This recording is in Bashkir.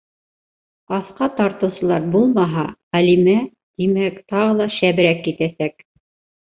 Аҫҡа тартыусылар булмаһа, Ғәлимә, тимәк, тағы ла шәберәк китәсәк.